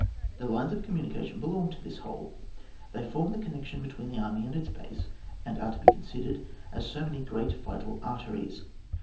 The lines of communication belong to this whole; they form the connection between the army and its base, and are to be considered as so many great vital ar teries.